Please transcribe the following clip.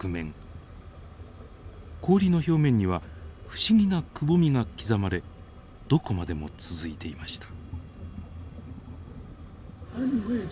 氷の表面には不思議なくぼみが刻まれどこまでも続いていました。